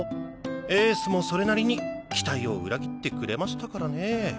エースもそれなりに期待を裏切ってくれましたからね。